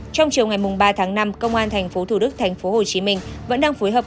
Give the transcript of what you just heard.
trong chiều ngày ba tháng năm công an tp thủ đức tp hồ chí minh vẫn đang phối hợp